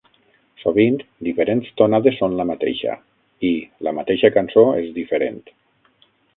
Sovint, "diferents tonades són la mateixa" i "la mateixa cançó és diferent".